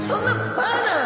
バーナー。